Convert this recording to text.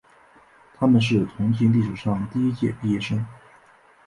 他们是同济历史上的第一届毕业生。